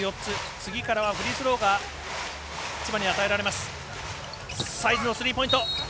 次からはフリースローが千葉に与えられます。